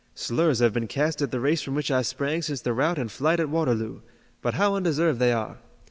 "Slurs have been cast at the race from which I sprang since the rout and flight at Waterloo, but how undeserved they are!